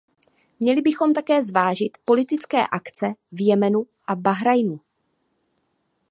Měli bychom také zvážit politické akce v Jemenu a Bahrajnu.